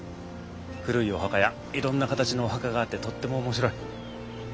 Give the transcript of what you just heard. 古いお墓やいろんな形のお墓があってとっても面白い。